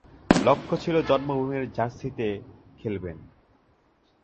লক্ষ্য ছিল জন্মভূমির জার্সিতে খেলবেন।